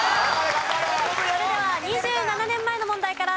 それでは２７年前の問題から再開です。